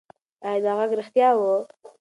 ایا دا غږ رښتیا و؟